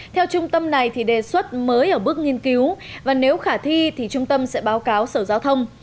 theo trung tâm này thì đề xuất mới ở bước nghiên cứu và nếu khả thi thì trung tâm sẽ báo cáo sở giao thông